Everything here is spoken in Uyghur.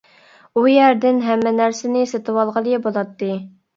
ئۇ يەردىن ھەممە نەرسىنى سېتىۋالغىلى بولاتتى.